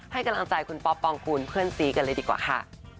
ให้กำลังใจคุณป๊อปปองกูลเพื่อนซีกันเลยดีกว่าค่ะ